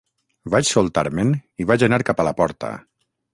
Vaig soltar-me'n i vaig anar cap a la porta.